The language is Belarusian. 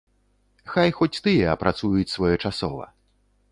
Хай хоць тыя апрацуюць своечасова.